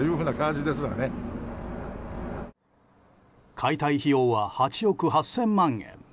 解体費用は８億８０００万円。